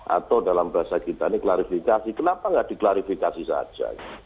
atau dalam bahasa kita ini klarifikasi kenapa nggak diklarifikasi saja